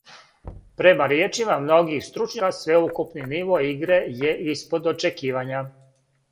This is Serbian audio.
Према ријечима многих стручњака, свеукупни ниво игре је испод очекивања.